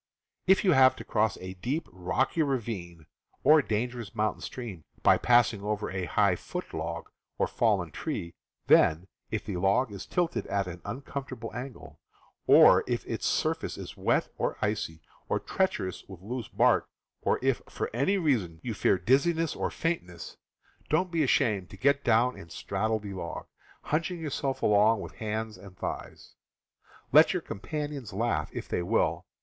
If you have to cross a deep, rocky ravine or danger ous mountain stream by passing over a high foot log p , or fallen tree, then, if the log is tilted at an uncomfortable angle, or if its sur face is wet, or icy, or treacherous with loose bark, or if, for any reason, you fear dizziness or faintness, don't FOREST TRAVEL 187 be ashamed to get down and straddle the log, hunching yourself along with hands and thighs. Let your com panions laugh, if they will.